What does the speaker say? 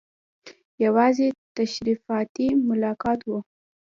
یوازې تشریفاتي ملاقات وو.